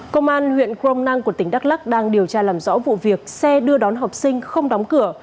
công an huyện crom năng của tỉnh đắk lắc đang điều tra làm rõ vụ việc xe đưa đón học sinh không đóng cửa